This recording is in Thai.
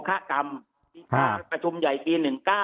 ประชุมใหญ่ปี๑๙